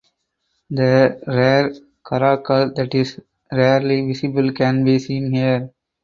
The rare caracal that is rarely visible can be seen here.